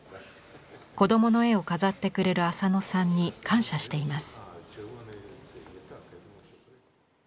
子どもの絵を飾ってくれる浅野さんに感謝しています。